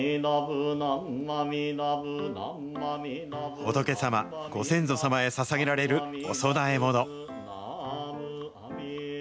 仏様、ご先祖様へささげられるお供えもの。